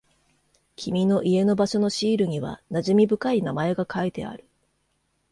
君の家の場所のシールには馴染み深い名前が書いてある。